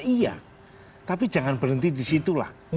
iya tapi jangan berhenti di situlah